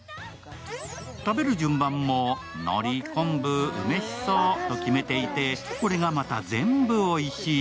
食べる順番も、のり、昆布、梅しそと決めていて、これがまた、全部おいしい。